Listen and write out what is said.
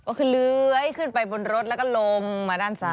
ก็คือเลื้อยขึ้นไปบนรถแล้วก็ลงมาด้านซ้าย